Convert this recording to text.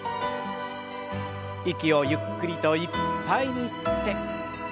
息をゆっくりといっぱいに吸って。